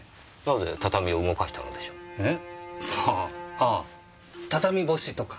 あぁ畳干しとか？